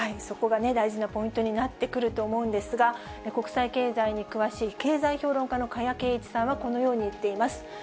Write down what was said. そこが大事なポイントになってくると思うんですが、国際経済に詳しい経済評論家の加谷珪一さんは、このように言っています。